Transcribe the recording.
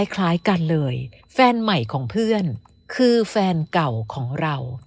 คล้ายกันเลยแฟนใหม่ของเพื่อนคือแฟนเก่าของเรา